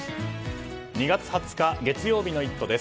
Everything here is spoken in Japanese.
２月２０日月曜日の「イット！」です。